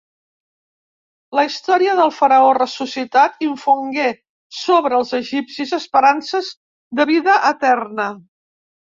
La història del faraó ressuscitat infongué sobre els egipcis esperances de vida eterna.